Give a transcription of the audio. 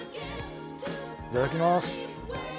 いただきます。